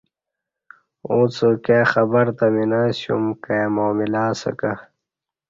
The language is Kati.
اݩڅ کائ خبر تہ می نہ اسیوم کائ معاملہ اسہ کہ